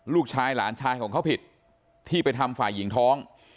ลูกชายหลานชายของเขาผิดที่ไปทำฝ่ายหญิงท้อง